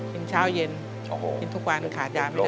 กินเช้าเย็นกินทุกวันขาดยาไม่ได้